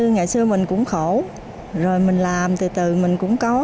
ngày xưa mình cũng khổ rồi mình làm từ mình cũng có